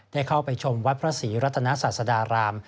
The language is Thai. ได้เข้าไปชมวัดพระศรีรัตนศาสดาราม